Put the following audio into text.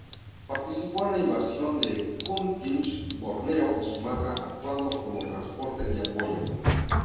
Participó en la invasión de Kuching, Borneo y Sumatra actuando como transporte y apoyo.